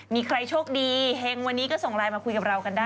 มีใครโชคดีเฮงวันนี้ก็ส่งไลน์มาคุยกับเรากันได้